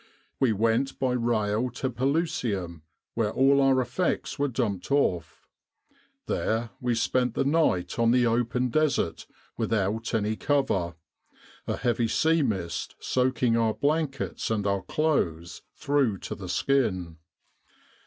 We went by rail to Pelusium where all our effects were dumped off. There we spent the night on the open Desert without any cover, a heavy sea mist soaking our blankets and our clothes through to the skin.